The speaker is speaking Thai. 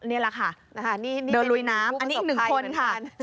นี่เป็นผู้ประสบความใจเหมือนกันอันนี้เป็นหนึ่งคนค่ะ